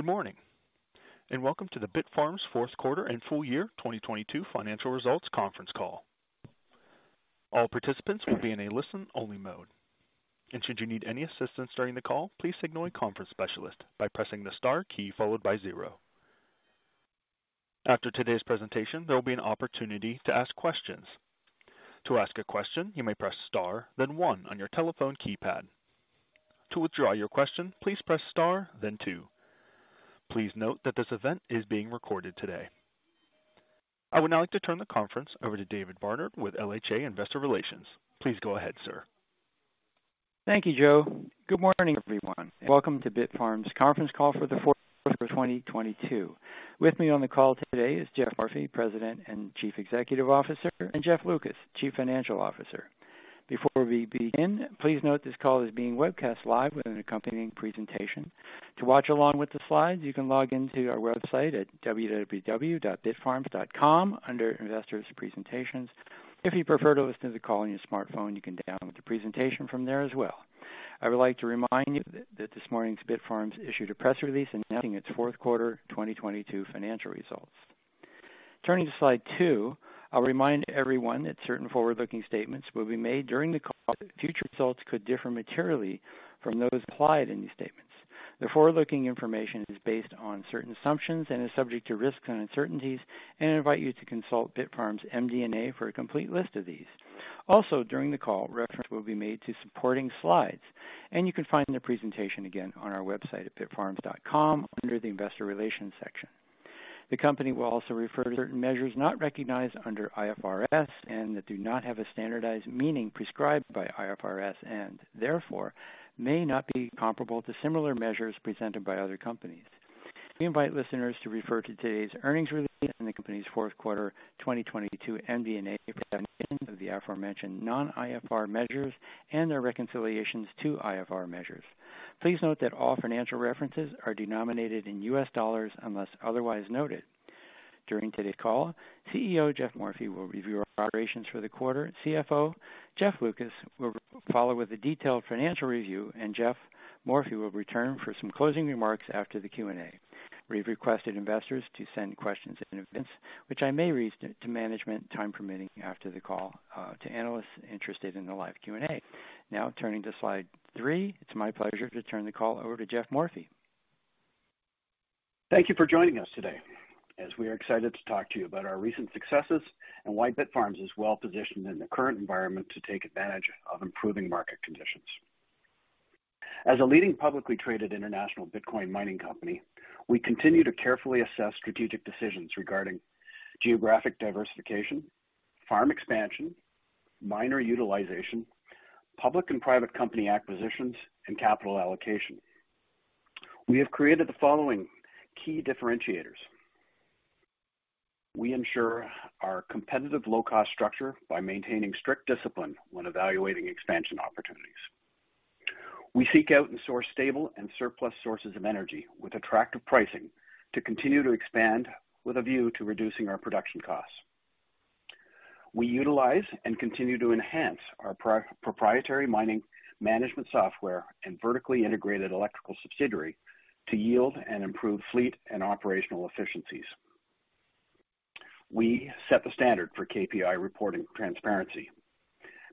Good morning, and welcome to the Bitfarms fourth quarter and full year 2022 financial results conference call. All participants will be in a listen-only mode. Should you need any assistance during the call, please signal a conference specialist by pressing the Star key followed by 0. After today's presentation, there will be an opportunity to ask questions. To ask a question, you may press Star then 1 on your telephone keypad. To withdraw your question, please press Star then 2. Please note that this event is being recorded today. I would now like to turn the conference over to David Barnard with LHA Investor Relations. Please go ahead, sir. Thank you, Joe. Good morning, everyone, and welcome to Bitfarms conference call for the fourth quarter of 2022. With me on the call today is Geoff Morphy, President and Chief Executive Officer, and Jeff Lucas, Chief Financial Officer. Before we begin, please note this call is being webcast live with an accompanying presentation. To watch along with the slides, you can log in to our website at www.bitfarms.com under Investors Presentations. If you prefer to listen to the call on your smartphone, you can download the presentation from there as well. I would like to remind you that this morning Bitfarms issued a press release announcing its fourth quarter 2022 financial results. Turning to slide 2, I'll remind everyone that certain forward-looking statements will be made during the call. Future results could differ materially from those applied in these statements. The forward-looking information is based on certain assumptions and is subject to risks and uncertainties. I invite you to consult Bitfarms MD&A for a complete list of these. During the call, reference will be made to supporting slides. You can find the presentation again on our website at bitfarms.com under the Investor Relations section. The company will also refer to certain measures not recognized under IFRS and that do not have a standardized meaning prescribed by IFRS, and therefore may not be comparable to similar measures presented by other companies. We invite listeners to refer to today's earnings release and the company's fourth quarter 2022 MD&A for definitions of the aforementioned non-IFRS measures and their reconciliations to IFRS measures. Please note that all financial references are denominated in US dollars unless otherwise noted. During today's call, CEO Geoff Morphy will review our operations for the quarter. CFO Jeff Lucas will follow with a detailed financial review, and Geoff Morphy will return for some closing remarks after the Q&A. We've requested investors to send questions in advance, which I may read to management time permitting after the call, to analysts interested in the live Q&A. Turning to slide three. It's my pleasure to turn the call over to Geoff Morphy. Thank you for joining us today as we are excited to talk to you about our recent successes and why Bitfarms is well positioned in the current environment to take advantage of improving market conditions. As a leading publicly traded international Bitcoin mining company, we continue to carefully assess strategic decisions regarding geographic diversification, farm expansion, miner utilization, public and private company acquisitions, and capital allocation. We have created the following key differentiators. We ensure our competitive low cost structure by maintaining strict discipline when evaluating expansion opportunities. We seek out and source stable and surplus sources of energy with attractive pricing to continue to expand with a view to reducing our production costs. We utilize and continue to enhance our proprietary mining management software and vertically integrated electrical subsidiary to yield and improve fleet and operational efficiencies. We set the standard for KPI reporting transparency,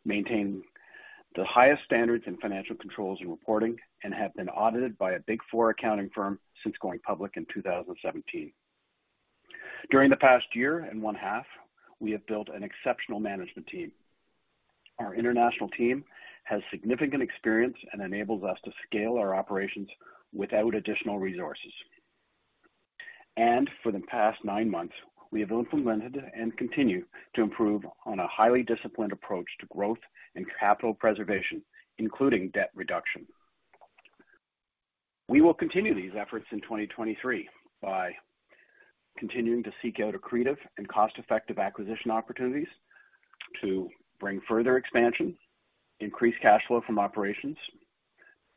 maintain the highest standards in financial controls and reporting, have been audited by a Big Four accounting firm since going public in 2017. During the past 1.5 years, we have built an exceptional management team. Our international team has significant experience and enables us to scale our operations without additional resources. For the past 9 months, we have implemented and continue to improve on a highly disciplined approach to growth and capital preservation, including debt reduction. We will continue these efforts in 2023 by continuing to seek out accretive and cost-effective acquisition opportunities to bring further expansion, increase cash flow from operations,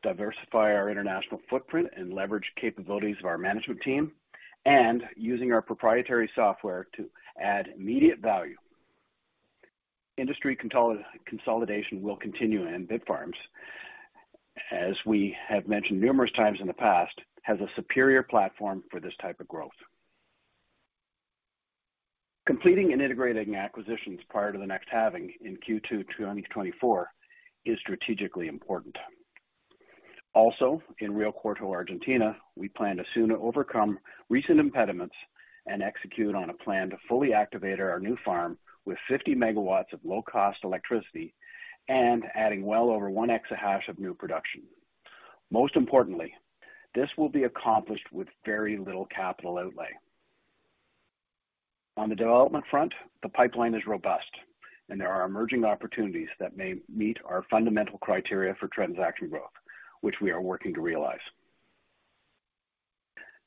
diversify our international footprint, and leverage capabilities of our management team, using our proprietary software to add immediate value. Industry consolidation will continue, and Bitfarms, as we have mentioned numerous times in the past, has a superior platform for this type of growth. Completing and integrating acquisitions prior to the next halving in Q2 2024 is strategically important. Also, in Rio Cuarto, Argentina, we plan to soon overcome recent impediments and execute on a plan to fully activate our new farm with 50 MW of low cost electricity and adding well over 1 exahash of new production. Most importantly, this will be accomplished with very little capital outlay. On the development front, the pipeline is robust, and there are emerging opportunities that may meet our fundamental criteria for transaction growth, which we are working to realize.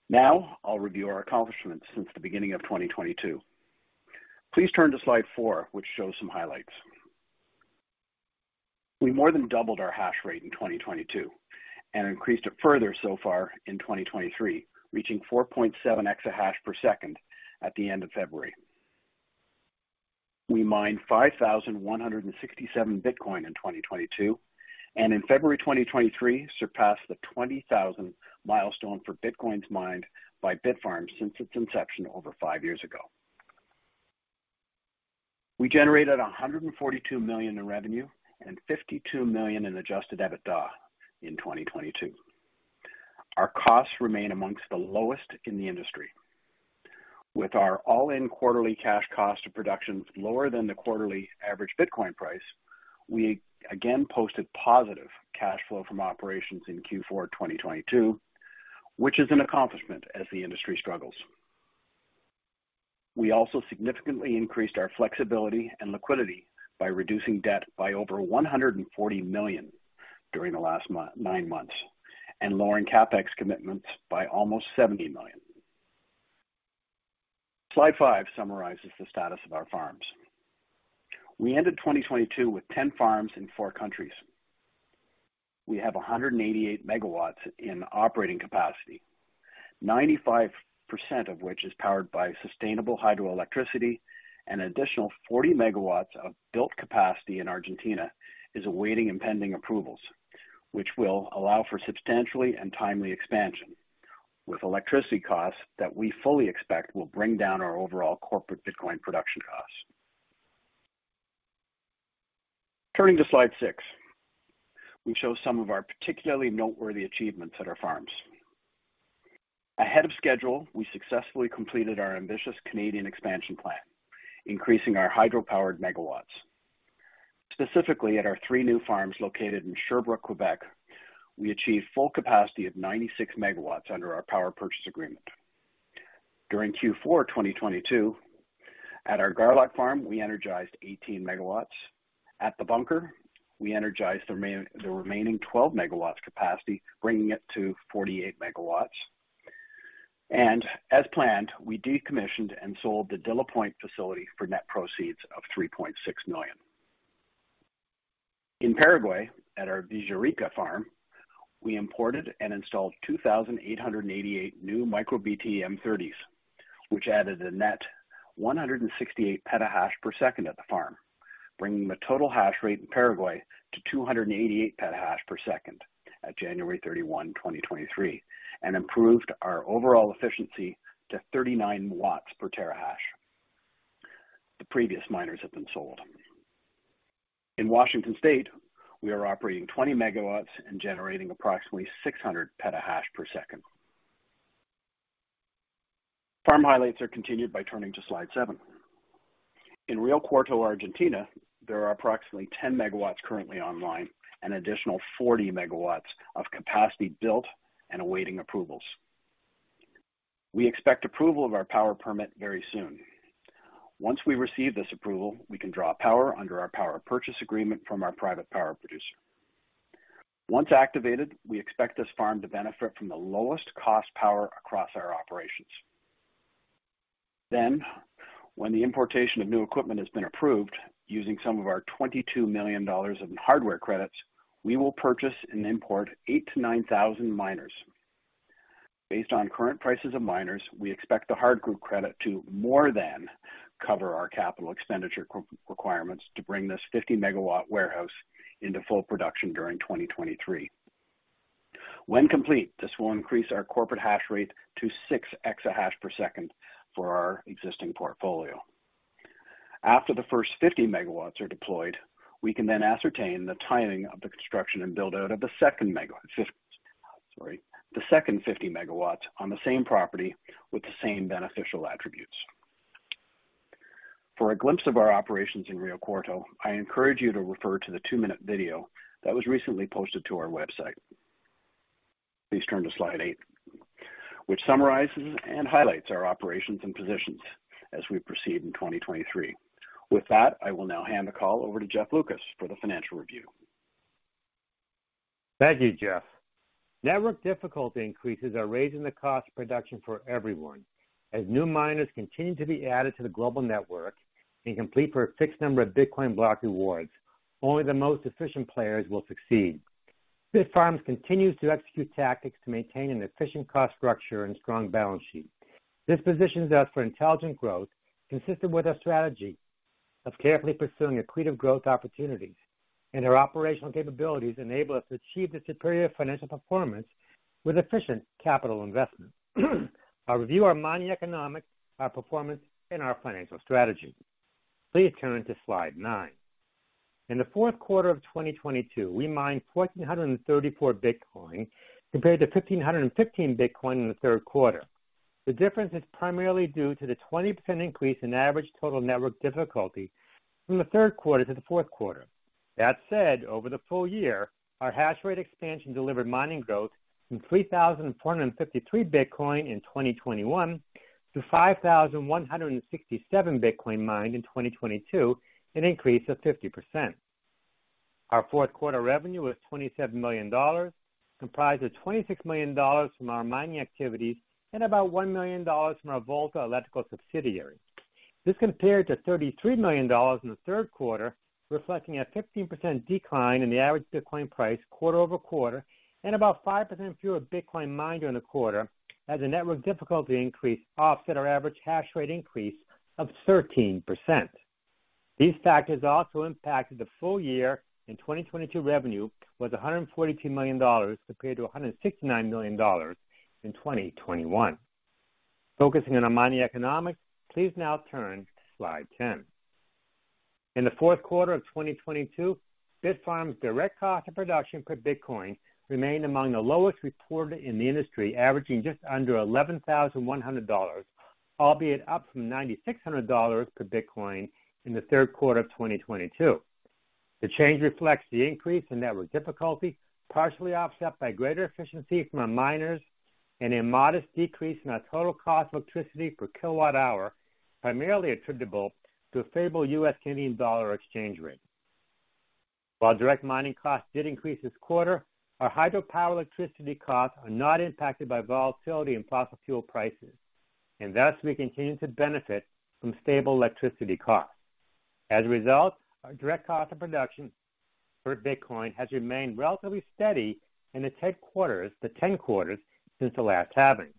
Now I'll review our accomplishments since the beginning of 2022. Please turn to slide 4, which shows some highlights. We more than doubled our hash rate in 2022 and increased it further so far in 2023, reaching 4.7 EH/s at the end of February. We mined 5,167 Bitcoin in 2022, and in February 2023 surpassed the 20,000 milestone for Bitcoin's mined by Bitfarms since its inception over five years ago. We generated $142 million in revenue and $52 million in adjusted EBITDA in 2022. Our costs remain amongst the lowest in the industry, with our all-in quarterly cash cost of production lower than the quarterly average Bitcoin price. We again posted positive cash flow from operations in Q4 2022, which is an accomplishment as the industry struggles. We also significantly increased our flexibility and liquidity by reducing debt by over $140 million during the last nine months and lowering CapEx commitments by almost $70 million. Slide five summarizes the status of our farms. We ended 2022 with 10 farms in four countries. We have 188 MW in operating capacity, 95% of which is powered by sustainable hydroelectricity. An additional 40 MW of built capacity in Argentina is awaiting and pending approvals, which will allow for substantially and timely expansion with electricity costs that we fully expect will bring down our overall corporate Bitcoin production costs. Turning to slide six. We show some of our particularly noteworthy achievements at our farms. Ahead of schedule, we successfully completed our ambitious Canadian expansion plan, increasing our hydro-powered megawatts, specifically at our three new farms located in Sherbrooke, Quebec. We achieved full capacity of 96 MW under our power purchase agreement. During Q4 2022 at our Garlock farm, we energized 18 MW. At The Bunker, we energized the remaining 12 MW capacity, bringing it to 48 MW. As planned, we decommissioned and sold the De la Pointe facility for net proceeds of $3.6 million. In Paraguay, at our Villarrica farm, we imported and installed 2,888 new MicroBT M30s, which added a net 168 PH/s at the farm, bringing the total hash rate in Paraguay to 288 PH/s at January 31, 2023, and improved our overall efficiency to 39 W/TH. The previous miners have been sold. In Washington State, we are operating 20 MW and generating approximately 600 PH/s. Farm highlights are continued by turning to slide 7. In Rio Cuarto, Argentina, there are approximately 10 MW currently online and additional 40 MW of capacity built and awaiting approvals. We expect approval of our power permit very soon. Once we receive this approval, we can draw power under our power purchase agreement from our private power producer. When the importation of new equipment has been approved, using some of our $22 million in hardware credits, we will purchase and import 8,000-9,000 miners. Based on current prices of miners, we expect the hardware credit to more than cover our capital expenditure requirements to bring this 50 MW warehouse into full production during 2023. When complete, this will increase our corporate hash rate to 6 exahash per second for our existing portfolio. After the first 50 MW are deployed, we can then ascertain the timing of the construction and build out of the second sorry, the second 50 MW on the same property with the same beneficial attributes. For a glimpse of our operations in Rio Cuarto, I encourage you to refer to the 2-minute video that was recently posted to our website. Please turn to slide 8, which summarizes and highlights our operations and positions as we proceed in 2023. With that, I will now hand the call over to Jeff Lucas for the financial review. Thank you, Jeff. Network difficulty increases are raising the cost of production for everyone. As new miners continue to be added to the global network and compete for a fixed number of Bitcoin block rewards, only the most efficient players will succeed. Bitfarms continues to execute tactics to maintain an efficient cost structure and strong balance sheet. This positions us for intelligent growth consistent with our strategy of carefully pursuing accretive growth opportunities, and our operational capabilities enable us to achieve the superior financial performance with efficient capital investment. I'll review our mining economics, our performance, and our financial strategy. Please turn to slide nine. In the fourth quarter of 2022, we mined 1,434 Bitcoin compared to 1,515 Bitcoin in the third quarter. The difference is primarily due to the 20% increase in average total network difficulty from the third quarter to the fourth quarter. Over the full year, our hash rate expansion delivered mining growth from 3,453 Bitcoin in 2021 to 5,167 Bitcoin mined in 2022, an increase of 50%. Our fourth quarter revenue was $27 million, comprised of $26 million from our mining activities and about $1 million from our Volta electrical subsidiary. This compared to $33 million in the third quarter, reflecting a 15% decline in the average Bitcoin price quarter-over-quarter and about 5% fewer Bitcoin mined during the quarter as the network difficulty increase offset our average hash rate increase of 13%. These factors also impacted the full year. In 2022, revenue was $142 million compared to $169 million in 2021. Focusing on our mining economics, please now turn to slide 10. In the fourth quarter of 2022, Bitfarms' direct cost of production per Bitcoin remained among the lowest reported in the industry, averaging just under $11,100, albeit up from $9,600 per Bitcoin in the third quarter of 2022. The change reflects the increase in network difficulty, partially offset by greater efficiency from our miners and a modest decrease in our total cost of electricity per kilowatt hour, primarily attributable to a favorable US Canadian dollar exchange rate. Direct mining costs did increase this quarter, our hydropower electricity costs are not impacted by volatility in fossil fuel prices, and thus we continue to benefit from stable electricity costs. As a result, our direct cost of production per Bitcoin has remained relatively steady in the 10 quarters since the last halving.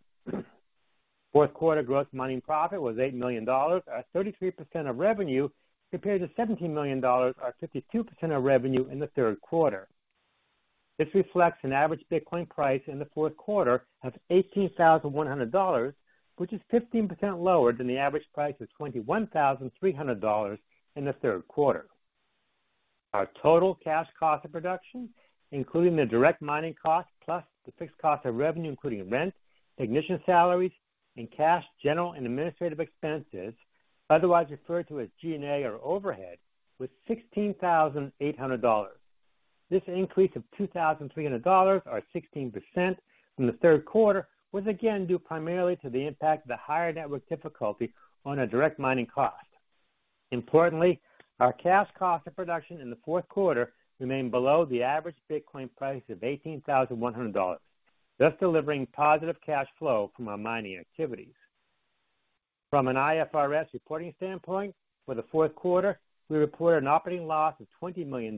Fourth quarter gross mining profit was $8 million at 33% of revenue, compared to $17 million, or 52% of revenue in the third quarter. This reflects an average Bitcoin price in the fourth quarter of $18,100, which is 15% lower than the average price of $21,300 in the third quarter. Our total cash cost of production, including the direct mining cost plus the fixed cost of revenue, including rent, technician salaries, and cash, general and administrative expenses, otherwise referred to as GNA or overhead, was $16,800. This increase of $2,300 or 16% from the third quarter was again due primarily to the impact of the higher network difficulty on our direct mining cost. Importantly, our cash cost of production in the fourth quarter remained below the average Bitcoin price of $18,100, thus delivering positive cash flow from our mining activities. From an IFRS reporting standpoint, for the fourth quarter, we reported an operating loss of $20 million,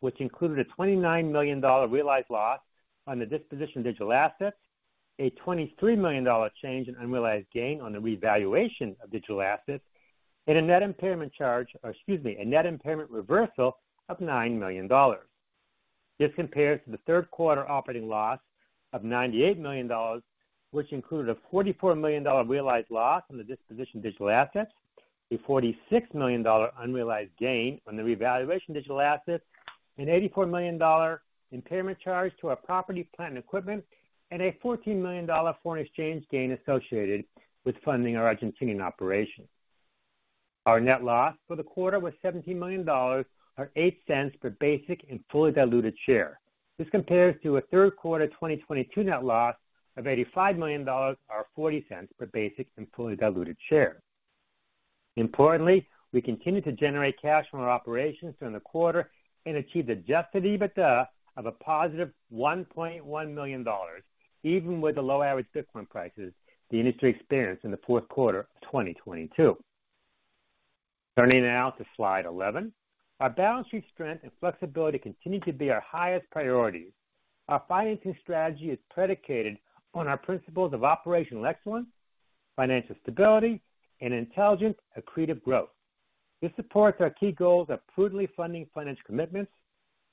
which included a $29 million realized loss on the disposition of digital assets, a $23 million change in unrealized gain on the revaluation of digital assets, and a net impairment charge, or excuse me, a net impairment reversal of $9 million. This compares to the third quarter operating loss of $98 million, which included a $44 million realized loss on the disposition of digital assets, a $46 million unrealized gain on the revaluation of digital assets, an $84 million impairment charge to our property, plant, and equipment, and a $14 million foreign exchange gain associated with funding our Argentinian operations. Our net loss for the quarter was $17 million, or $0.08 per basic and fully diluted share. This compares to a third quarter 2022 net loss of $85 million, or $0.40 per basic and fully diluted share. Importantly, we continued to generate cash from our operations during the quarter and achieved adjusted EBITDA of a positive $1.1 million, even with the low average Bitcoin prices the industry experienced in the fourth quarter of 2022. Turning now to slide 11. Our balance sheet strength and flexibility continue to be our highest priority. Our financing strategy is predicated on our principles of operational excellence, financial stability, and intelligent accretive growth. This supports our key goals of prudently funding financial commitments,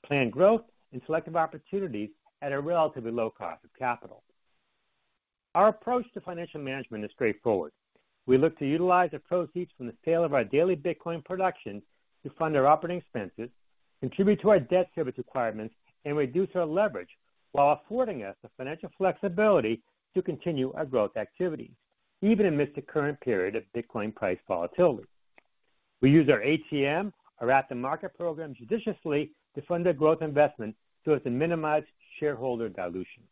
planned growth, and selective opportunities at a relatively low cost of capital. Our approach to financial management is straightforward. We look to utilize the proceeds from the sale of our daily Bitcoin production to fund our operating expenses, contribute to our debt service requirements, and reduce our leverage while affording us the financial flexibility to continue our growth activities, even amidst the current period of Bitcoin price volatility. We use our ATM, our at-the-market program, judiciously to fund our growth investment so as to minimize shareholder dilution.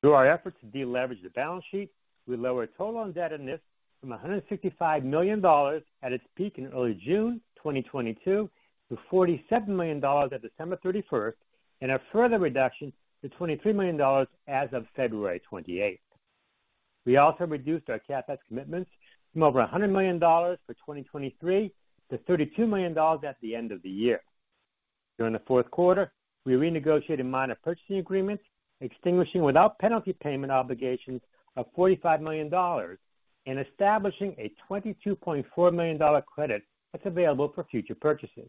Through our efforts to deleverage the balance sheet, we lowered total indebtedness from $155 million at its peak in early June 2022 to $47 million at December 31st, and a further reduction to $23 million as of February 28th. We also reduced our CapEx commitments from over $100 million for 2023 to $32 million at the end of the year. During the fourth quarter, we renegotiated miner purchasing agreements, extinguishing without penalty payment obligations of $45 million and establishing a $22.4 million credit that's available for future purchases.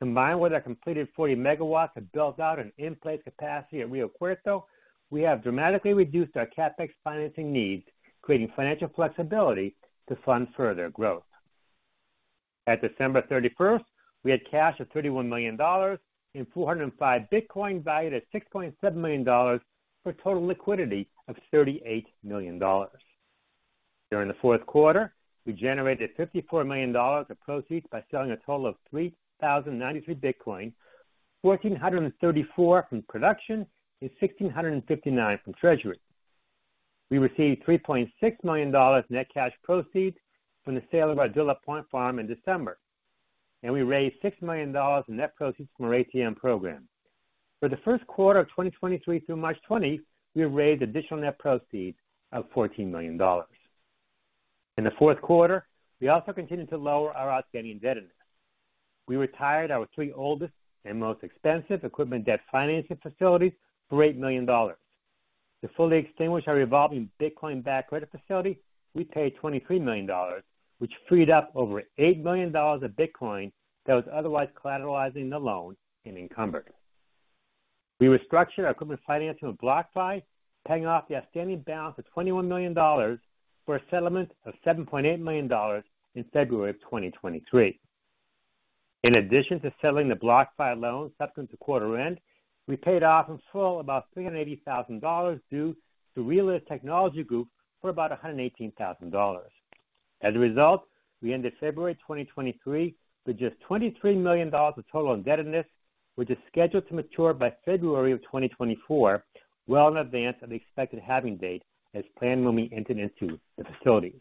Combined with our completed 40 MW of built out and in-place capacity at Rio Cuarto, we have dramatically reduced our CapEx financing needs, creating financial flexibility to fund further growth. At December 31st, we had cash of $31 million and 405 Bitcoin valued at $6.7 million, for total liquidity of $38 million. During the fourth quarter, we generated $54 million of proceeds by selling a total of 3,093 Bitcoin, 1,434 from production and 1,659 from treasury. We received $3.6 million net cash proceeds from the sale of our De la Pointe farm in December, we raised $6 million in net proceeds from our ATM program. For the first quarter of 2023 through March 20, we have raised additional net proceeds of $14 million. In the fourth quarter, we also continued to lower our outstanding indebtedness. We retired our 3 oldest and most expensive equipment debt financing facilities for $8 million. To fully extinguish our revolving Bitcoin-backed credit facility, we paid $23 million, which freed up over $8 million of Bitcoin that was otherwise collateralizing the loan and encumbered. We restructured our equipment financing with BlockFi, paying off the outstanding balance of $21 million for a settlement of $7.8 million in February of 2023. In addition to settling the BlockFi loan subsequent to quarter end, we paid off in full about $380,000 due to Realist Technology Group for about $118,000. We ended February 2023 with just $23 million of total indebtedness, which is scheduled to mature by February of 2024, well in advance of the expected halving date as planned when we entered into the facilities.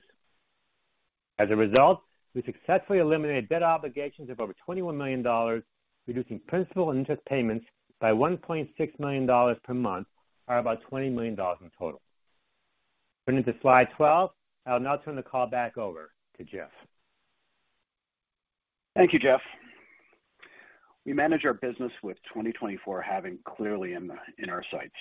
We successfully eliminated debt obligations of over $21 million, reducing principal and interest payments by $1.6 million per month, or about $20 million in total. Turning to slide 12. I'll now turn the call back over to Jeff. Thank you, Jeff. We manage our business with 2024 halving clearly in our sights.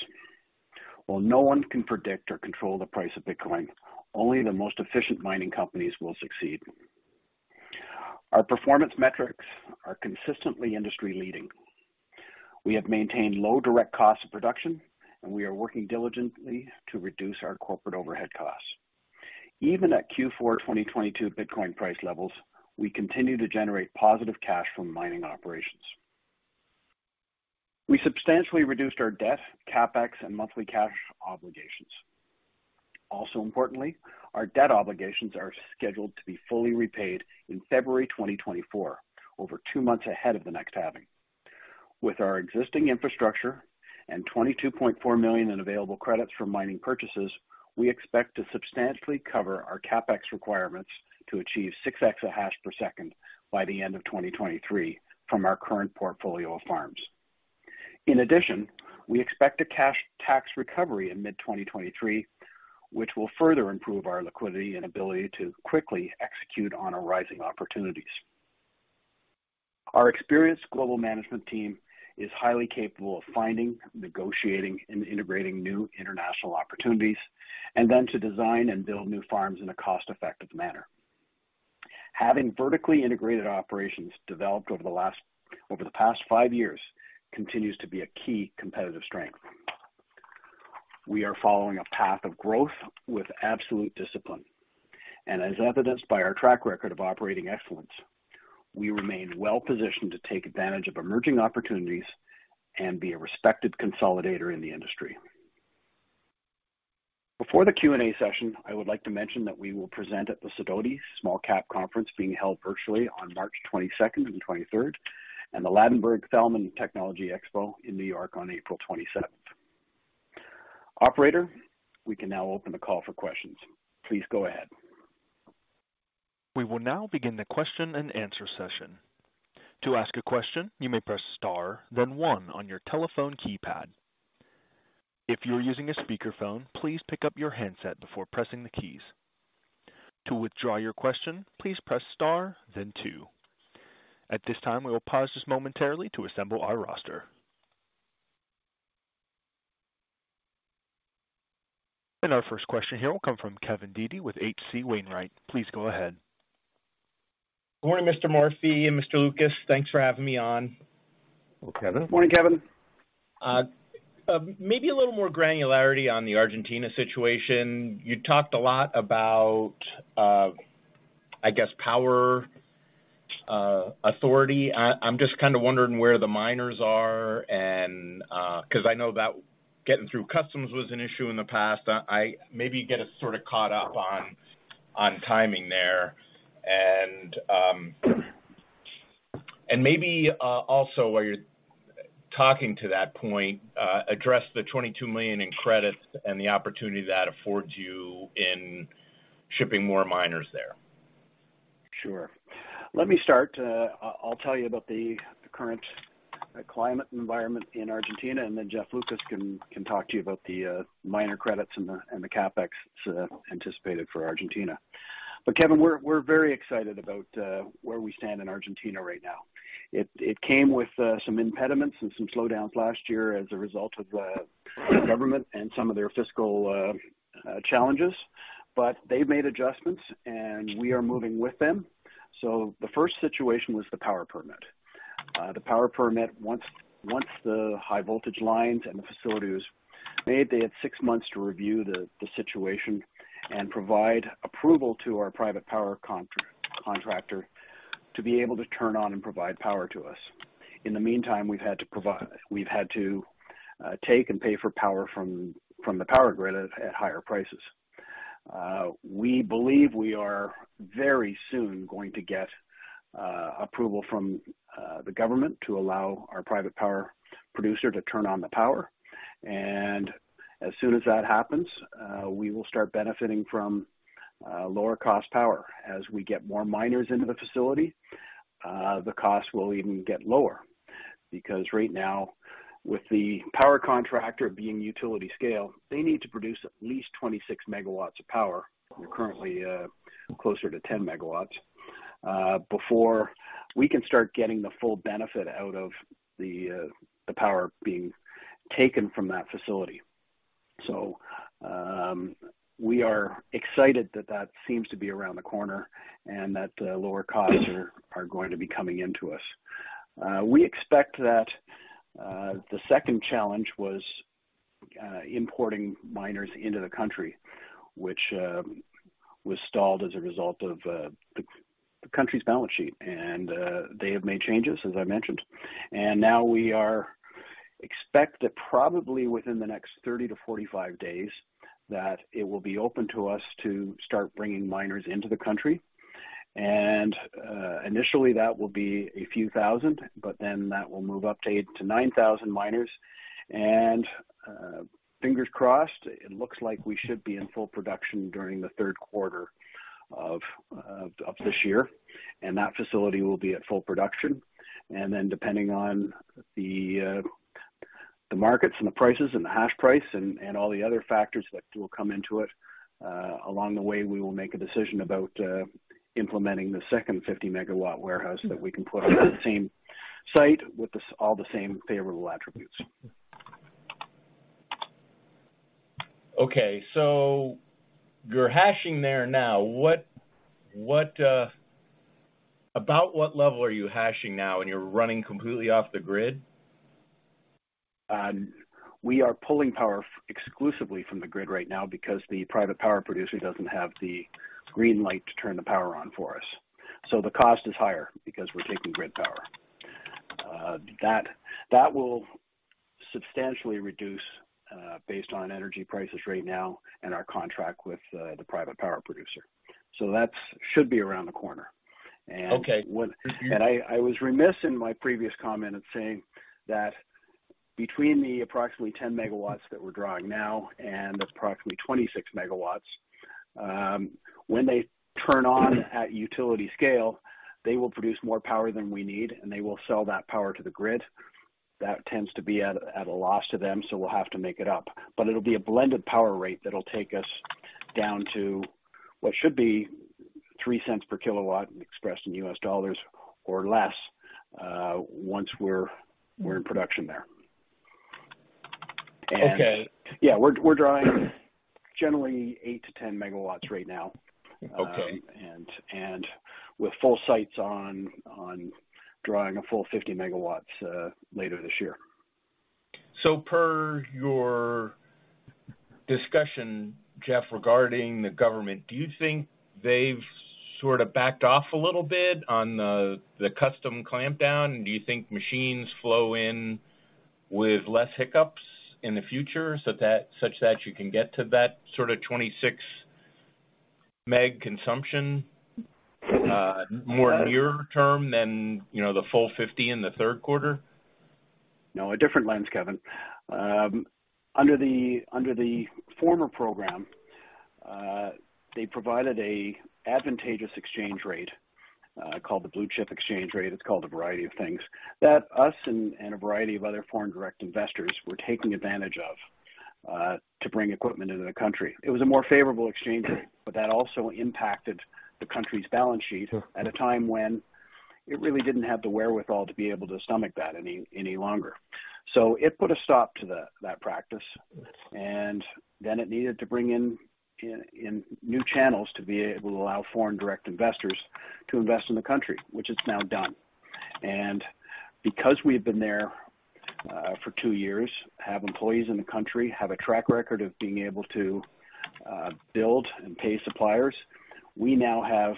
No one can predict or control the price of Bitcoin, only the most efficient mining companies will succeed. Our performance metrics are consistently industry leading. We have maintained low direct cost of production. We are working diligently to reduce our corporate overhead costs. Even at Q4 2022 Bitcoin price levels, we continue to generate positive cash from mining operations. We substantially reduced our debt, CapEx, and monthly cash obligations. Importantly, our debt obligations are scheduled to be fully repaid in February 2024, over two months ahead of the next halving. With our existing infrastructure and $22.4 million in available credits from mining purchases, we expect to substantially cover our CapEx requirements to achieve 6 exahash per second by the end of 2023 from our current portfolio of farms. In addition, we expect a cash tax recovery in mid-2023, which will further improve our liquidity and ability to quickly execute on arising opportunities. Our experienced global management team is highly capable of finding, negotiating, and integrating new international opportunities, then to design and build new farms in a cost-effective manner. Having vertically integrated operations developed over the past 5 years continues to be a key competitive strength. We are following a path of growth with absolute discipline. As evidenced by our track record of operating excellence, we remain well positioned to take advantage of emerging opportunities and be a respected consolidator in the industry. Before the Q&A session, I would like to mention that we will present at the Sidoti Small-Cap Virtual Conference being held virtually on March 22nd and 23rd. The Ladenburg Thalmann Technology Expo in New York on April 27th. Operator, we can now open the call for questions. Please go ahead. We will now begin the question and answer session. To ask a question, you may press star, then 1 on your telephone keypad. If you're using a speakerphone, please pick up your handset before pressing the keys. To withdraw your question, please press star then 2. At this time, we will pause just momentarily to assemble our roster. Our first question here will come from Kevin Dede with H.C. Wainwright. Please go ahead. Good morning, Mr. Morphy and Mr. Lucas. Thanks for having me on. Hello, Kevin. Morning, Kevin. Maybe a little more granularity on the Argentina situation. You talked a lot about, I guess power, authority. I'm just kind of wondering where the miners are and, because I know that getting through customs was an issue in the past. Maybe get us sort of caught up on timing there. Maybe also, while you're talking to that point, address the $22 million in credits and the opportunity that affords you in shipping more miners there. Sure. Let me start. I'll tell you about the current climate environment in Argentina. Jeff Lucas can talk to you about the miner credits and the CapEx anticipated for Argentina. Kevin, we're very excited about where we stand in Argentina right now. It came with some impediments and some slowdowns last year as a result of the government and some of their fiscal challenges, but they've made adjustments, and we are moving with them. The first situation was the power permit. The power permit, once the high voltage lines and the facility was made, they had six months to review the situation and provide approval to our private power contractor to be able to turn on and provide power to us. In the meantime, we've had to take and pay for power from the power grid at higher prices. We believe we are very soon going to get approval from the government to allow our private power producer to turn on the power. As soon as that happens, we will start benefiting from lower cost power. As we get more miners into the facility, the cost will even get lower. Right now, with the power contractor being utility scale, they need to produce at least 26 MW of power. We're currently closer to 10 MW before we can start getting the full benefit out of the power being taken from that facility. We are excited that that seems to be around the corner and that lower costs are going to be coming into us. We expect that the second challenge was importing miners into the country, which was stalled as a result of the country's balance sheet. They have made changes, as I mentioned. Now we expect that probably within the next 30-45 days, that it will be open to us to start bringing miners into the country. Initially that will be a few thousand, but then that will move up to 8,000-9,000 miners. Fingers crossed, it looks like we should be in full production during the third quarter of this year, and that facility will be at full production. Depending on the markets and the prices and the hash price and all the other factors that will come into it, along the way, we will make a decision about, implementing the second 50 megawatt warehouse that we can put on that same site with the all the same favorable attributes. Okay, so you're hashing there now. About what level are you hashing now, and you're running completely off the grid? We are pulling power exclusively from the grid right now because the private power producer doesn't have the green light to turn the power on for us. The cost is higher because we're taking grid power. That will substantially reduce, based on energy prices right now and our contract with the private power producer. That should be around the corner. Okay. I was remiss in my previous comment in saying that between the approximately 10 MW that we're drawing now and the approximately 26 megawatts, when they turn on at utility scale, they will produce more power than we need, and they will sell that power to the grid. That tends to be at a loss to them, so we'll have to make it up. It'll be a blended power rate that'll take us down to what should be $0.03 per kilowatt, expressed in US dollars or less, once we're in production there. Okay. Yeah. We're drawing generally 8-10 MW right now. Okay. With full sights on drawing a full 50 MW later this year. Per your discussion, Jeff, regarding the government, do you think they've sort of backed off a little bit on the custom clampdown? Do you think machines flow in with less hiccups in the future such that you can get to that sort of 26 MW consumption more near-term than, you know, the full 50 MW in the third quarter? No, a different lens, Kevin. Under the former program, they provided a advantageous exchange rate, called the Blue Chip Swap rate. It's called a variety of things, that us and a variety of other foreign direct investors were taking advantage of, to bring equipment into the country. It was a more favorable exchange rate, but that also impacted the country's balance sheet at a time when it really didn't have the wherewithal to be able to stomach that any longer. It put a stop to that practice, and then it needed to bring in new channels to be able to allow foreign direct investors to invest in the country, which it's now done. Because we've been there for two years, have employees in the country, have a track record of being able to build and pay suppliers, we now have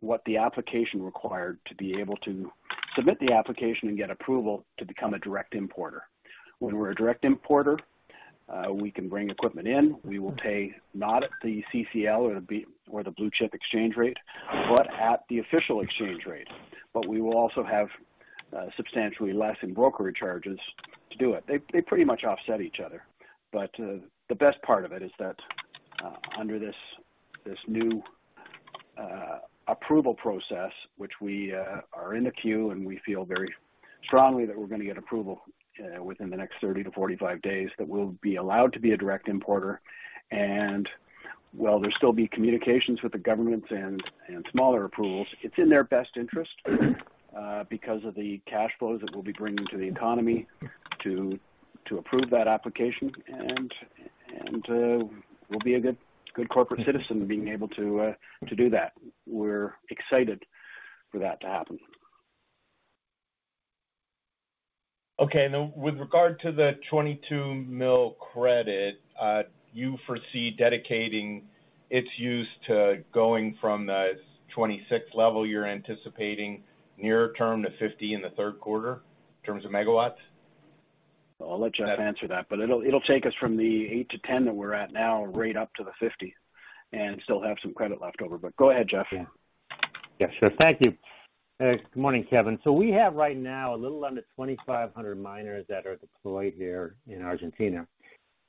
what the application required to be able to submit the application and get approval to become a direct importer. When we're a direct importer, we can bring equipment in, we will pay not at the CCL or the Blue Chip Swap rate, but at the official exchange rate. We will also have substantially less in brokerage charges to do it. They pretty much offset each other. The best part of it is that, under this new approval process, which we are in the queue, and we feel very strongly that we're gonna get approval within the next 30 to 45 days, that we'll be allowed to be a direct importer. While there'll still be communications with the governments and smaller approvals, it's in their best interest because of the cash flows that we'll be bringing to the economy to approve that application and we'll be a good corporate citizen being able to do that. We're excited for that to happen. Okay. Then with regard to the $22 mil credit, you foresee dedicating its use to going from the 26 level you're anticipating nearer term to 50 in the third quarter in terms of megawatts? I'll let Jeff answer that, but it'll take us from the 8-10 that we're at now right up to the 50 and still have some credit left over. Go ahead, Jeff. Yeah. Yeah. Sure. Thank you. Good morning, Kevin. We have right now a little under 2,500 miners that are deployed here in Argentina,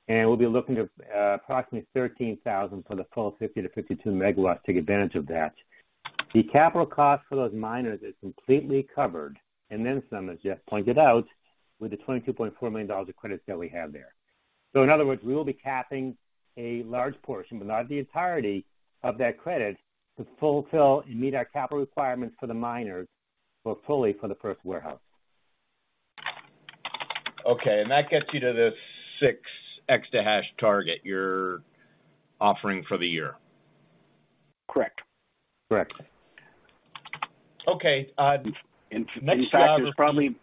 and we'll be looking to approximately 13,000 for the full 50-52 MW to take advantage of that. The capital cost for those miners is completely covered and then some, as Jeff pointed out, with the $22.4 million of credits that we have there. In other words, we will be capping a large portion, but not the entirety of that credit to fulfill and meet our capital requirements for the miners, but fully for the Paso Pe warehouse. Okay. That gets you to the 6 exahash target you're offering for the year. Correct. Correct. Okay, next geography.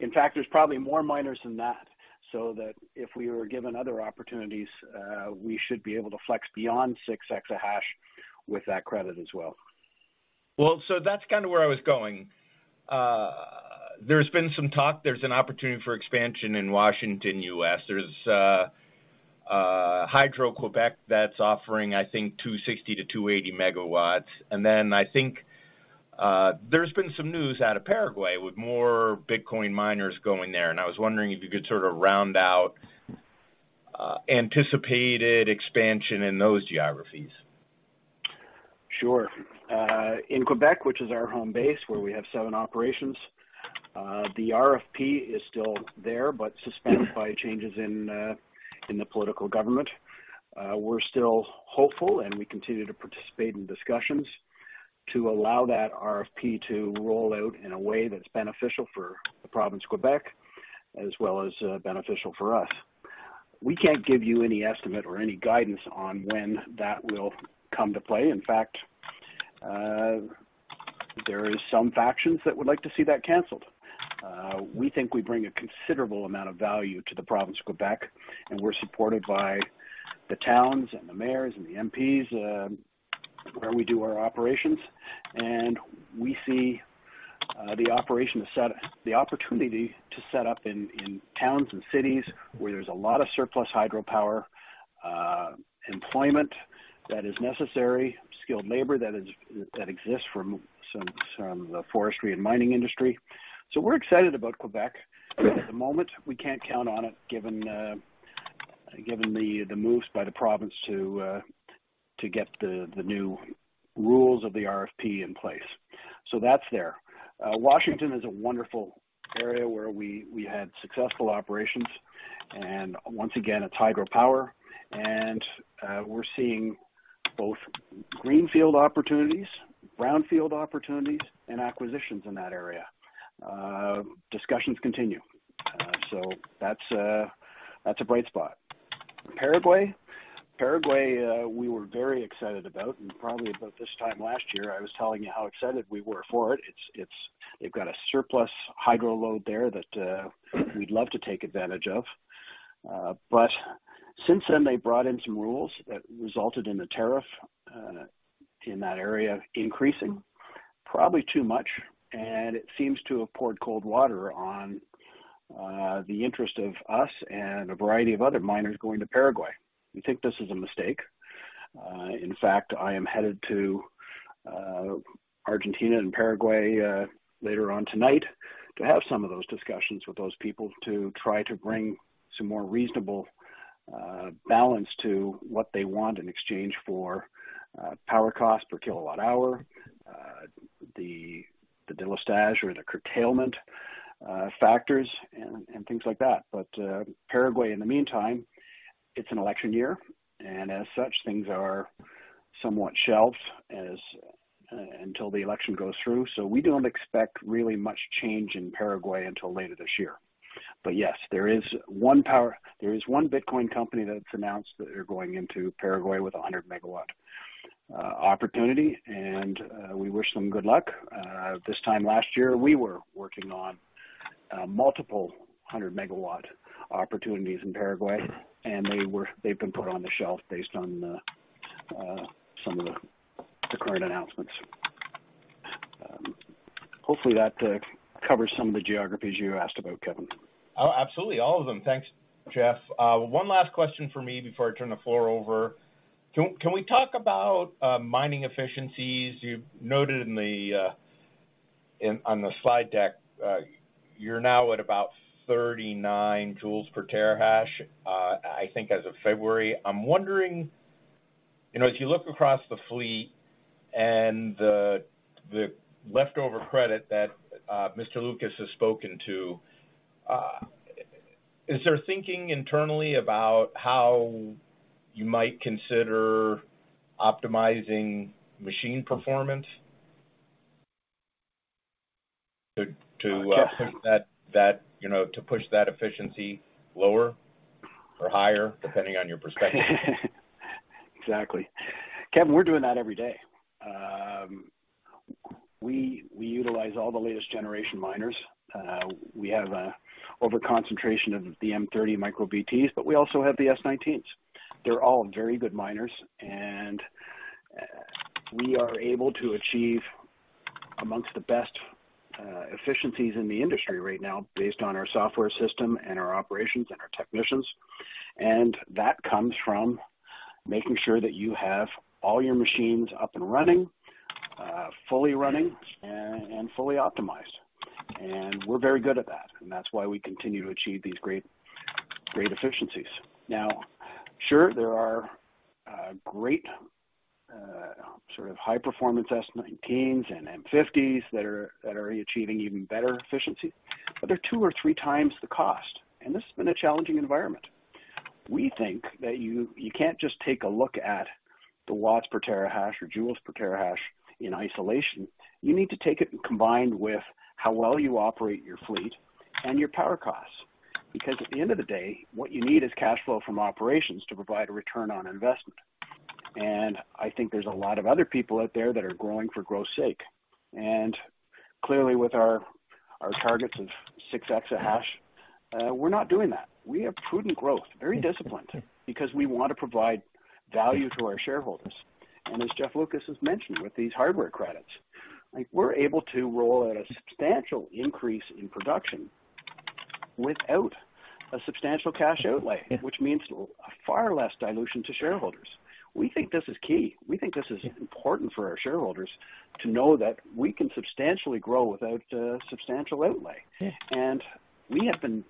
In fact, there's probably more miners than that, so that if we were given other opportunities, we should be able to flex beyond 6 exahash with that credit as well. That's kind of where I was going. There's been some talk there's an opportunity for expansion in Washington, U.S. There's Hydro-Québec that's offering, I think 260-280 megawatts. I think there's been some news out of Paraguay with more Bitcoin miners going there, I was wondering if you could sort of round out anticipated expansion in those geographies. Sure. In Quebec, which is our home base, where we have seven operations, the RFP is still there, but suspended by changes in the political government. We're still hopeful, and we continue to participate in discussions to allow that RFP to roll out in a way that's beneficial for the province Quebec, as well as beneficial for us. We can't give you any estimate or any guidance on when that will come to play. In fact, there is some factions that would like to see that canceled. We think we bring a considerable amount of value to the province of Quebec, and we're supported by the towns and the mayors and the MPs, where we do our operations. We see the opportunity to set up in towns and cities where there's a lot of surplus hydropower, employment that is necessary, skilled labor that exists from some forestry and mining industry. We're excited about Québec. At the moment, we can't count on it, given given the moves by the province to get the new rules of the RFP in place. That's there. Washington is a wonderful area where we had successful operations. Once again, it's hydropower. We're seeing both greenfield opportunities, brownfield opportunities, and acquisitions in that area. Discussions continue. That's a bright spot. Paraguay. Paraguay, we were very excited about, probably about this time last year, I was telling you how excited we were for it. It's they've got a surplus hydro load there that we'd love to take advantage of. Since then, they brought in some rules that resulted in the tariff in that area increasing probably too much, and it seems to have poured cold water on the interest of us and a variety of other miners going to Paraguay. We think this is a mistake. In fact, I am headed to Argentina and Paraguay later on tonight to have some of those discussions with those people to try to bring some more reasonable balance to what they want in exchange for power cost per kilowatt-hour, the diligence or the curtailment factors and things like that. Paraguay, in the meantime, it's an election year, and as such, things are somewhat shelved as until the election goes through. We don't expect really much change in Paraguay until later this year. Yes, there is one Bitcoin company that's announced that they're going into Paraguay with a 100 megawatt opportunity, and we wish them good luck. This time last year, we were working on multiple 100 megawatt opportunities in Paraguay, and they've been put on the shelf based on the some of the current announcements. Hopefully that covers some of the geographies you asked about, Kevin. Oh, absolutely. All of them. Thanks, Jeff. One last question for me before I turn the floor over. Can we talk about mining efficiencies? You noted in the on the slide deck, you're now at about 39 joules per terahash, I think as of February. I'm wondering, you know, as you look across the fleet and the leftover credit that Mr. Lucas has spoken to, is there thinking internally about how you might consider optimizing machine performance? Yeah. that, you know, to push that efficiency lower or higher, depending on your perspective. Exactly. Kevin, we're doing that every day. We utilize all the latest generation miners. We have an over-concentration of the M30 MicroBTs, but we also have the S19s. They're all very good miners, and we are able to achieve amongst the best efficiencies in the industry right now based on our software system and our operations and our technicians. That comes from making sure that you have all your machines up and running, fully running and fully optimized. We're very good at that, and that's why we continue to achieve these great efficiencies. Now, sure, there are great sort of high performance S19s and M50S that are achieving even better efficiency, but they're 2 or 3 times the cost, and this has been a challenging environment. We think that you can't just take a look at the watts per terahash or joules per terahash in isolation. You need to take it and combined with how well you operate your fleet and your power costs. At the end of the day, what you need is cash flow from operations to provide a return on investment. I think there's a lot of other people out there that are growing for growth's sake. Clearly, with our targets of 6x exahash, we're not doing that. We have prudent growth, very disciplined, because we want to provide value to our shareholders. As Jeff Lucas has mentioned, with these hardware credits, like, we're able to roll out a substantial increase in production without a substantial cash outlay, which means far less dilution to shareholders. We think this is key. We think this is important for our shareholders to know that we can substantially grow without a substantial outlay. Yeah. We have been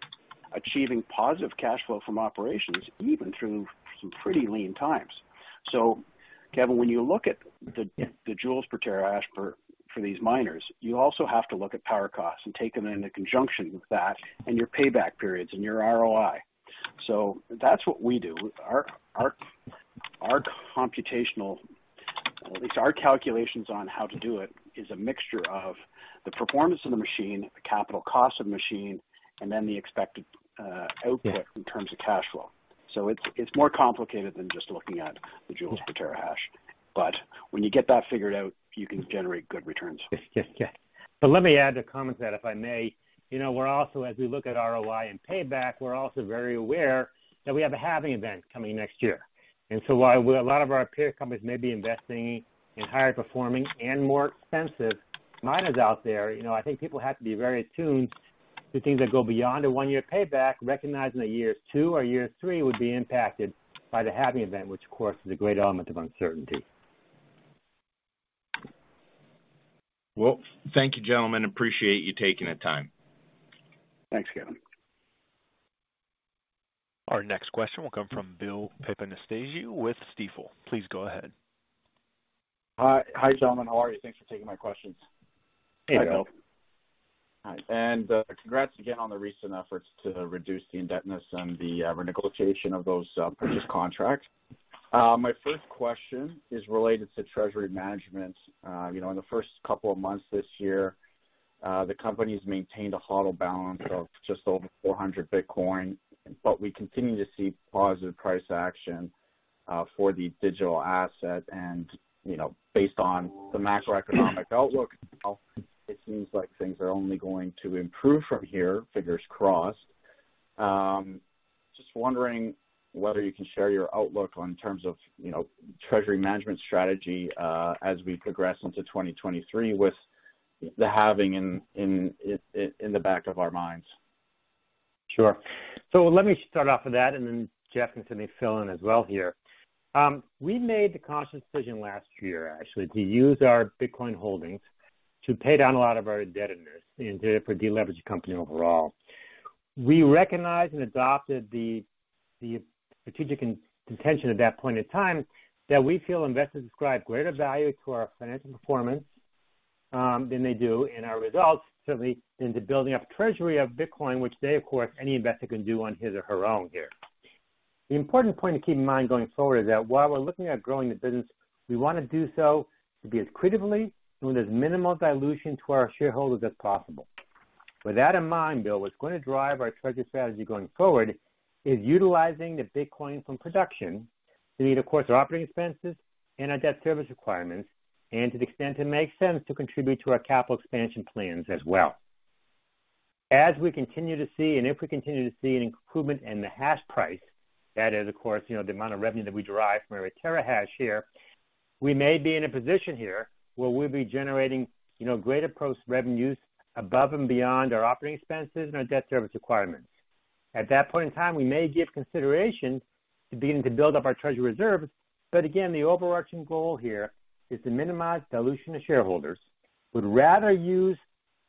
achieving positive cash flow from operations even through some pretty lean times. Kevin, when you look at. Yeah. The joules per terahash for these miners, you also have to look at power costs and take them into conjunction with that, and your payback periods and your ROI. That's what we do. Our computational. At least our calculations on how to do it is a mixture of the performance of the machine, the capital cost of machine, and then the expected. Yeah. Output in terms of cash flow. It's more complicated than just looking at the joules per terahash. When you get that figured out, you can generate good returns. Yes. Yes. Let me add to comment that if I may. You know, we're also, as we look at ROI and payback, we're also very aware that we have a halving event coming next year. While a lot of our peer companies may be investing in higher performing and more expensive miners out there, you know, I think people have to be very attuned to things that go beyond a one-year payback, recognizing that years two or years three would be impacted by the halving event, which of course, is a great element of uncertainty. Well, thank you, gentlemen. Appreciate you taking the time. Thanks, Kevin. Our next question will come from Bill Papanastasiou with Stifel. Please go ahead. Hi, gentlemen. How are you? Thanks for taking my questions. Hey, Bill. Hi, Bill. Hi. Congrats again on the recent efforts to reduce the indebtedness and the renegotiation of those purchase contracts. My first question is related to treasury management. You know, in the first couple of months this year, the company's maintained a HODL balance of just over 400 Bitcoin, but we continue to see positive price action for the digital asset and, you know, based on the macroeconomic outlook, it seems like things are only going to improve from here, fingers crossed. Just wondering whether you can share your outlook on terms of, you know, treasury management strategy as we progress into 2023 with the halving in the back of our minds. Sure. Let me start off with that, and then Jeff can certainly fill in as well here. We made the conscious decision last year, actually, to use our Bitcoin holdings to pay down a lot of our indebtedness and for deleveraging company overall. We recognized and adopted the strategic intention at that point in time that we feel investors describe greater value to our financial performance than they do in our results, certainly into building up treasury of Bitcoin, which they, of course, any investor can do on his or her own here. The important point to keep in mind going forward is that while we're looking at growing the business, we wanna do so to be as credibly and with as minimal dilution to our shareholders as possible. With that in mind, Bill, what's going to drive our treasury strategy going forward is utilizing the Bitcoin from production to meet, of course, operating expenses and our debt service requirements, and to the extent it makes sense to contribute to our capital expansion plans as well. As we continue to see, and if we continue to see an improvement in the hash price, that is, of course, you know, the amount of revenue that we derive from every terahash here, we may be in a position here where we'll be generating, you know, greater post revenues above and beyond our operating expenses and our debt service requirements. At that point in time, we may give consideration to beginning to build up our treasury reserves. Again, the overarching goal here is to minimize dilution to shareholders. We'd rather use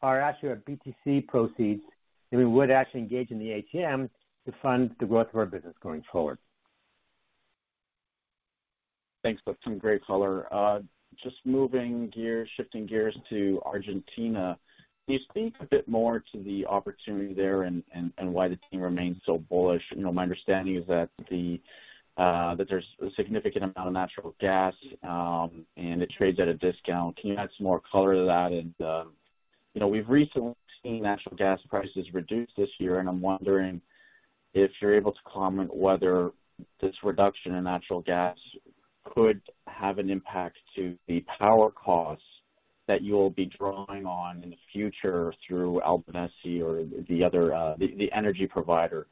our actual BTC proceeds than we would actually engage in the ATM to fund the growth of our business going forward. Thanks. That's some great color. Just moving gears, shifting gears to Argentina. Can you speak a bit more to the opportunity there and why the team remains so bullish? You know, my understanding is that there's a significant amount of natural gas, and it trades at a discount. Can you add some more color to that? You know, we've recently seen natural gas prices reduce this year, and I'm wondering if you're able to comment whether this reduction in natural gas could have an impact to the power costs that you'll be drawing on in the future through Albanesi or the energy provider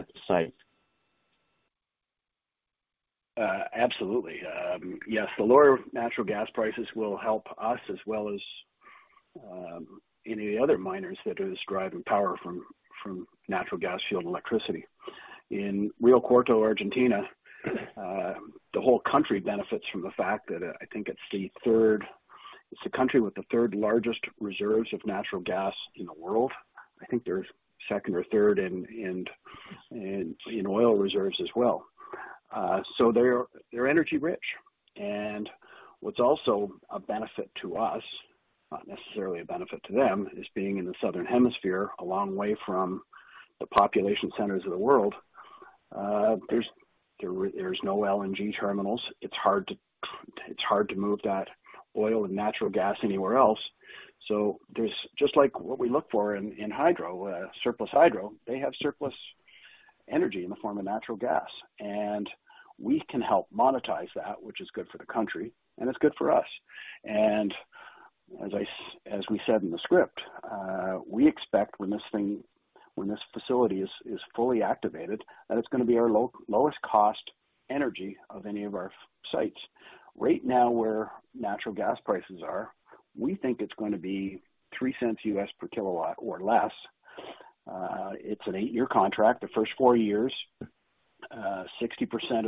at the site? Absolutely. Yes, the lower natural gas prices will help us as well as any other miners that are describing power from natural gas-fueled electricity. In Rio Cuarto, Argentina, the whole country benefits from the fact that it's the country with the third largest reserves of natural gas in the world. I think they're second or third in oil reserves as well. They're energy-rich. What's also a benefit to us, not necessarily a benefit to them, is being in the Southern Hemisphere, a long way from the population centers of the world. There's no LNG terminals. It's hard to move that oil and natural gas anywhere else. There's just like what we look for in hydro, surplus hydro, they have surplus energy in the form of natural gas, and we can help monetize that, which is good for the country, and it's good for us. As we said in the script, we expect when this thing, when this facility is fully activated, that it's gonna be our lowest cost energy of any of our sites. Right now where natural gas prices are, we think it's going to be $0.03 US per kilowatt or less. It's an 8-year contract. The first four years, 60%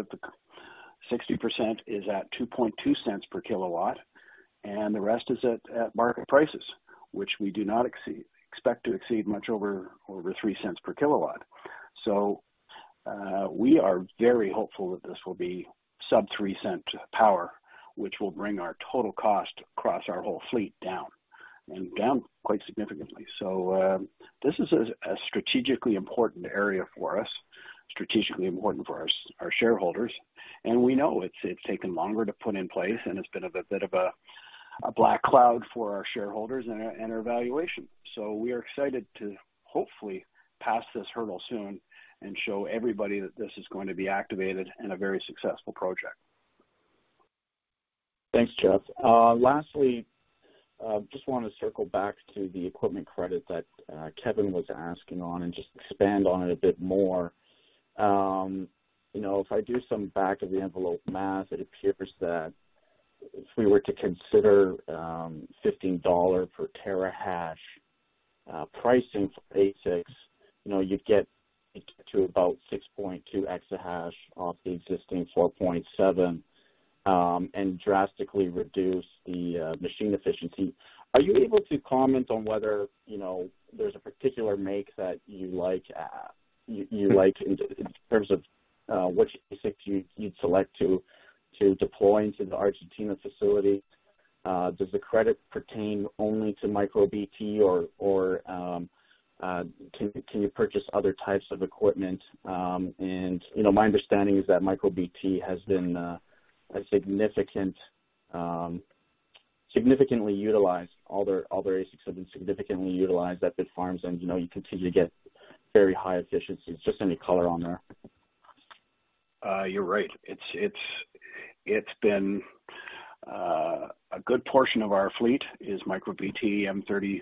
is at $0.022 per kilowatt, the rest is at market prices, which we do not expect to exceed much over $0.03 per kilowatt. We are very hopeful that this will be sub 3 cent power, which will bring our total cost across our whole fleet down and down quite significantly. This is a strategically important area for us, strategically important for our shareholders, and we know it's taken longer to put in place, and it's been a bit of a black cloud for our shareholders and our evaluation. We are excited to hopefully pass this hurdle soon and show everybody that this is going to be activated and a very successful project. Thanks, Jeff. Lastly, just wanna circle back to the equipment credit that Kevin was asking on and just expand on it a bit more. You know, if I do some back of the envelope math, it appears that if we were to consider $15 per terahash pricing for ASICs, you know, you'd get to about 6.2 exahash off the existing 4.7 and drastically reduce the machine efficiency. Are you able to comment on whether, you know, there's a particular make that you like, you like in terms of which ASICs you'd select to deploy into the Argentina facility? Does the credit pertain only to MicroBT or, can you purchase other types of equipment? You know, my understanding is that MicroBT has been a significant, significantly utilized. All their, all their ASICs have been significantly utilized at the farms, and you know, you continue to get very high efficiency. Just any color on there? You're right. It's been a good portion of our fleet is MicroBT M30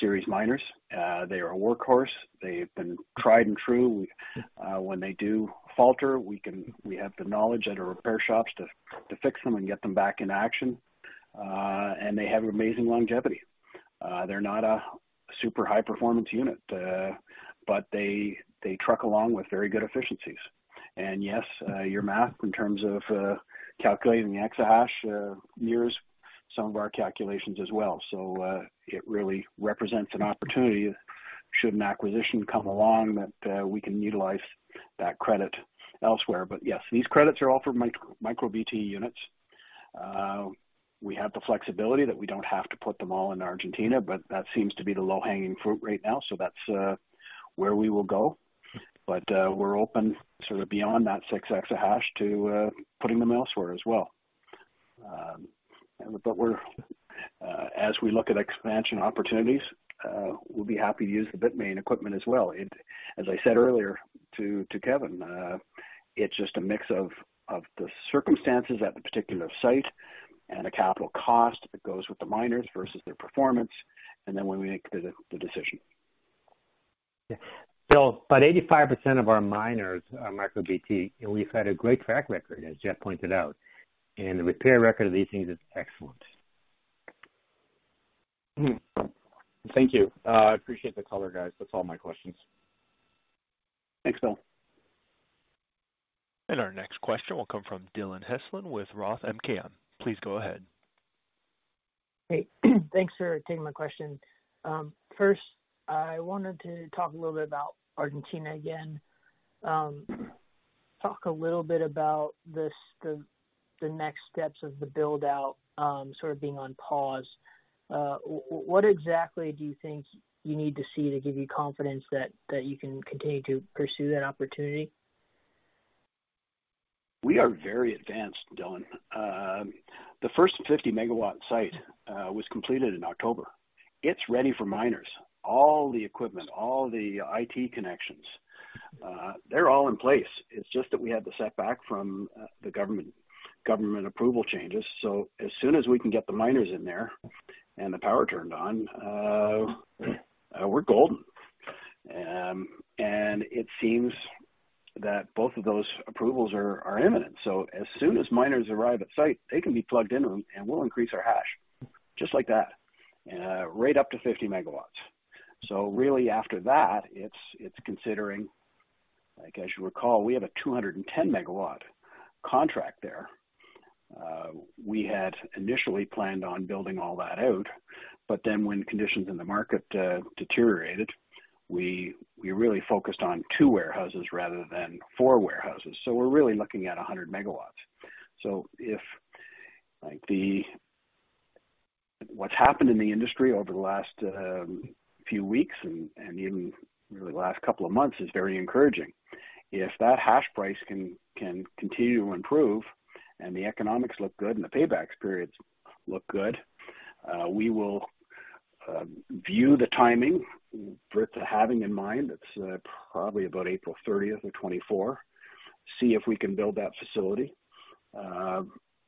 series miners. They are a workhorse. They've been tried and true. When they do falter, we have the knowledge at our repair shops to fix them and get them back in action. They have amazing longevity. They're not a super high performance unit, but they truck along with very good efficiencies. Yes, your math in terms of calculating the exahash mirrors some of our calculations as well. It really represents an opportunity should an acquisition come along that we can utilize that credit elsewhere. Yes, these credits are all for MicroBT units. We have the flexibility that we don't have to put them all in Argentina, but that seems to be the low-hanging fruit right now. That's where we will go. We're open sort of beyond that 6 exahash to putting them elsewhere as well. We're as we look at expansion opportunities, we'll be happy to use the Bitmain equipment as well. As I said earlier to Kevin, it's just a mix of the circumstances at the particular site and the capital cost that goes with the miners versus their performance, and then when we make the decision. Bill, about 85% of our miners are MicroBT. We've had a great track record, as Jeff pointed out, the repair record of these things is excellent. Thank you. I appreciate the color, guys. That's all my questions. Thanks, Bill. Our next question will come from Dillon Heslin with ROTH MKM. Please go ahead. Hey. Thanks for taking my question. First, I wanted to talk a little bit about Argentina again. Talk a little bit about this, the next steps of the build-out, sort of being on pause. What exactly do you think you need to see to give you confidence that you can continue to pursue that opportunity? We are very advanced, Dillon. The first 50 megawatt site was completed in October. It's ready for miners. All the equipment, all the IT connections, they're all in place. It's just that we had the setback from the government approval changes. As soon as we can get the miners in there and the power turned on, we're golden. It seems that both of those approvals are imminent. As soon as miners arrive at site, they can be plugged in and we'll increase our hash just like that, right up to 50 megawatts. Really after that, it's Like as you recall, we have a 210 megawatt contract there. We had initially planned on building all that out, but then when conditions in the market deteriorated, we really focused on 2 warehouses rather than 4 warehouses. We're really looking at 100 MW. If like what's happened in the industry over the last few weeks and even really the last couple of months is very encouraging. If that hash price can continue to improve and the economics look good and the paybacks periods look good, we will view the timing with having in mind it's probably about April 30, 2024, see if we can build that facility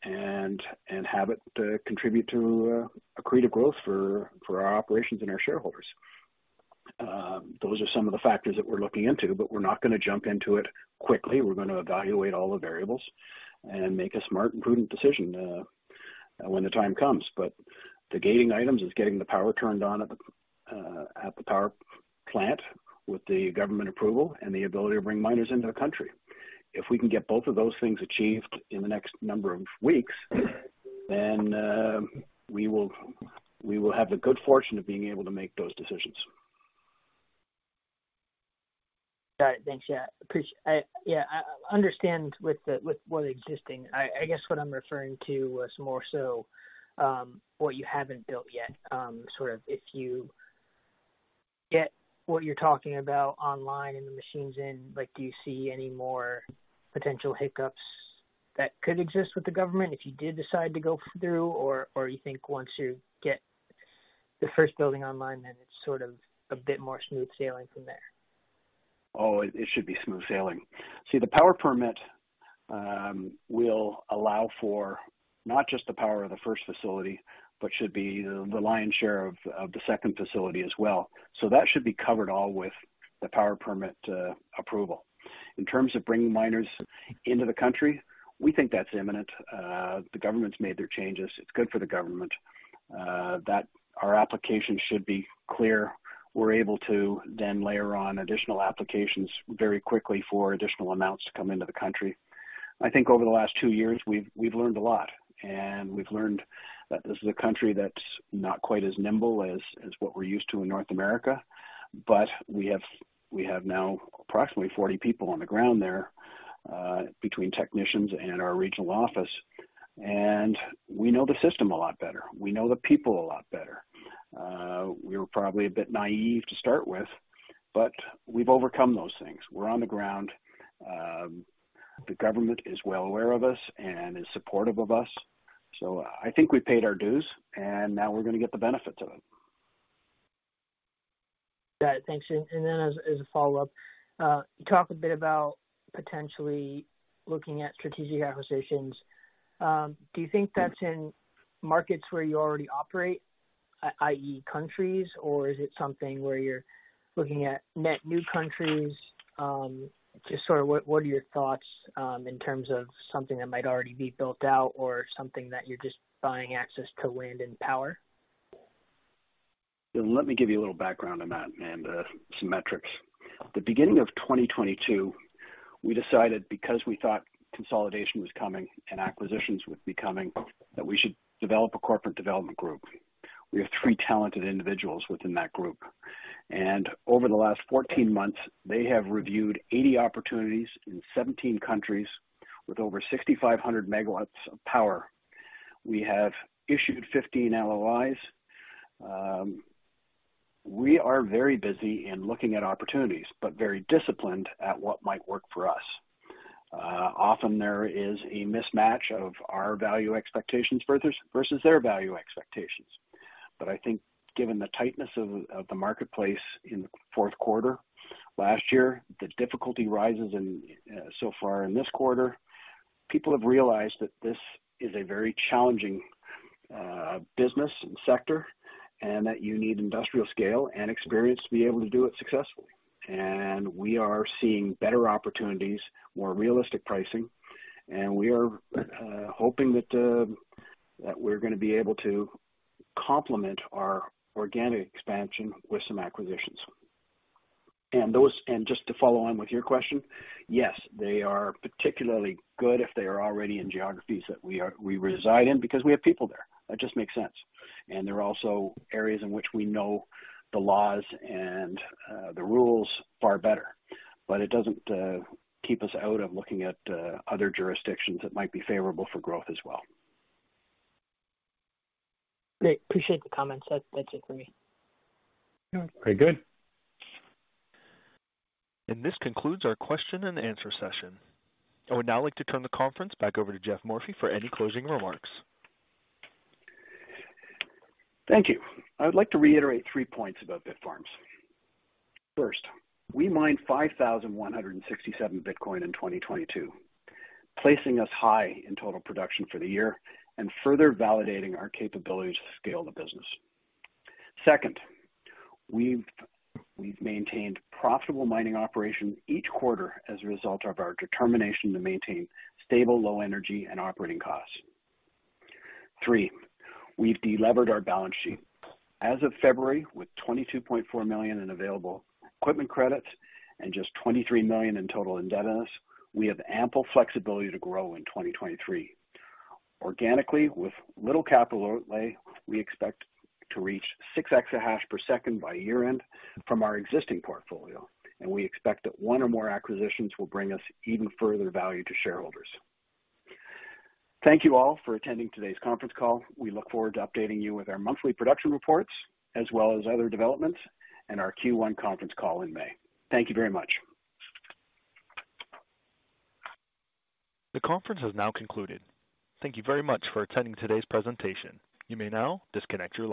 and have it contribute to accretive growth for our operations and our shareholders. Those are some of the factors that we're looking into, but we're not gonna jump into it quickly. We're gonna evaluate all the variables and make a smart and prudent decision when the time comes. The gating items is getting the power turned on at the power plant with the government approval and the ability to bring miners into the country. If we can get both of those things achieved in the next number of weeks, we will have the good fortune of being able to make those decisions. Got it. Thanks. Yeah. Appreci- yeah, I understand with what existing. I guess what I'm referring to was more so, what you haven't built yet. Sort of if you get what you're talking about online and the machines in, like, do you see any more potential hiccups that could exist with the government if you did decide to go through? Or you think once you get the first building online, then it's sort of a bit more smooth sailing from there? It should be smooth sailing. The power permit will allow for not just the power of the first facility, but should be the lion's share of the second facility as well. That should be covered all with the power permit approval. In terms of bringing miners into the country, we think that's imminent. The government's made their changes. It's good for the government that our application should be clear. We're able to then layer on additional applications very quickly for additional amounts to come into the country. I think over the last 2 years, we've learned a lot, and we've learned that this is a country that's not quite as nimble as what we're used to in North America. We have now approximately 40 people on the ground there, between technicians and our regional office, and we know the system a lot better. We know the people a lot better. We were probably a bit naive to start with, but we've overcome those things. We're on the ground. The government is well aware of us and is supportive of us, so I think we paid our dues, and now we're gonna get the benefits of it. Got it. Thanks. As a follow-up, you talked a bit about potentially looking at strategic acquisitions. Do you think that's in markets where you already operate, i.e., countries? Or is it something where you're looking at net new countries? Just sort of what are your thoughts in terms of something that might already be built out or something that you're just buying access to land and power? Let me give you a little background on that and some metrics. The beginning of 2022, we decided because we thought consolidation was coming and acquisitions would be coming, that we should develop a corporate development group. We have 3 talented individuals within that group. Over the last 14 months, they have reviewed 80 opportunities in 17 countries with over 6,500 MW of power. We have issued 15 LOIs. We are very busy in looking at opportunities, but very disciplined at what might work for us. Often there is a mismatch of our value expectations versus their value expectations. I think given the tightness of the marketplace in the fourth quarter last year, the difficulty rises in so far in this quarter. People have realized that this is a very challenging business sector, and that you need industrial scale and experience to be able to do it successfully. We are seeing better opportunities, more realistic pricing, and we are hoping that we're gonna be able to complement our organic expansion with some acquisitions. Just to follow on with your question, yes, they are particularly good if they are already in geographies that we reside in because we have people there. That just makes sense. There are also areas in which we know the laws and the rules far better. It doesn't keep us out of looking at other jurisdictions that might be favorable for growth as well. Great. Appreciate the comments. That's it for me. Very good. This concludes our question and answer session. I would now like to turn the conference back over to Geoff Morphy for any closing remarks. Thank you. I would like to reiterate three points about Bitfarms. First, we mined 5,167 Bitcoin in 2022, placing us high in total production for the year and further validating our capability to scale the business. Second, we've maintained profitable mining operations each quarter as a result of our determination to maintain stable, low energy and operating costs. Three, we've delevered our balance sheet. As of February, with $22.4 million in available equipment credits and just $23 million in total indebtedness, we have ample flexibility to grow in 2023. Organically, with little capital outlay, we expect to reach 6 exahash per second by year-end from our existing portfolio. We expect that one or more acquisitions will bring us even further value to shareholders. Thank you all for attending today's conference call. We look forward to updating you with our monthly production reports as well as other developments and our Q1 conference call in May. Thank you very much. The conference has now concluded. Thank you very much for attending today's presentation. You may now disconnect your lines.